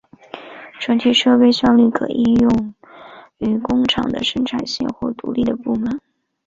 整体设备效率可应用于工厂的生产线或独立的部门。